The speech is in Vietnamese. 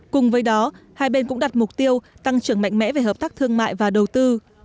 cùng với đó hai bên cũng đặt mục tiêu tăng trưởng mạnh mẽ về hợp tác thương mại và đầu tư